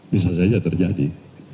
bisa saja terjadi